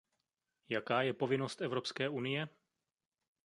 Jaká je povinnost Evropské unie?